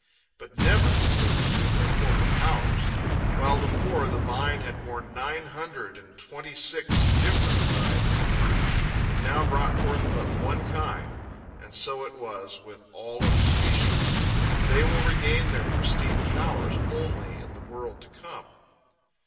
But never did they resume their former powers. While, before, the vine had borne nine hundred and twenty six different varieties of fruit, it now brought forth but one kind. And so it was with all other species. They will regain their pristine powers only in the world to come.